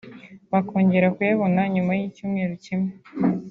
bakongera kuyabona nyuma y’icyumweru kimwe